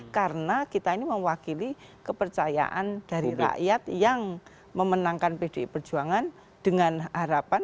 karena kita ini mewakili kepercayaan dari rakyat yang memenangkan pd perjuangan dengan harapan